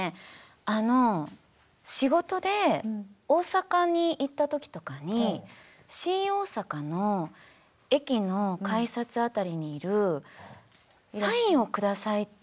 あの仕事で大阪に行った時とかに新大阪の駅の改札辺りにいる「サインを下さい」って。